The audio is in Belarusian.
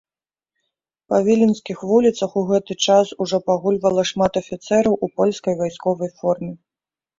Па віленскіх вуліцах у гэты час ужо пагульвала шмат афіцэраў у польскай вайсковай форме.